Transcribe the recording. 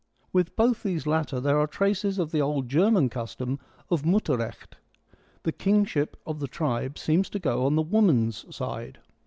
With both these latter there are traces of the old German custom of Mutterrecht : the kingship of the tribe seems to go on the woman's side.